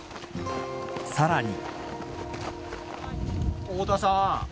さらに。